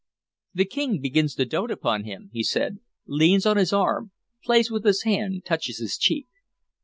"The King begins to dote upon him," he said; "leans on his arm, plays with his hand, touches his cheek.